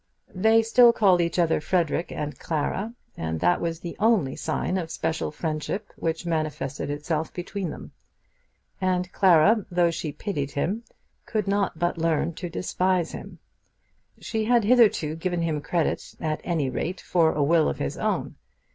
They still called each other Frederic and Clara, and that was the only sign of special friendship which manifested itself between them. And Clara, though she pitied him, could not but learn to despise him. She had hitherto given him credit at any rate for a will of his own.